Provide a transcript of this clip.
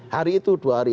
hari itu dua hari